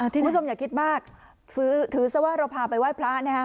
คุณผู้ชมอย่าคิดมากถือซะว่าเราพาไปไหว้พระนะฮะ